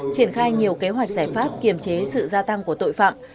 triển khai nhiều kế hoạch giải pháp kiềm chế sự gia tăng của tội phạm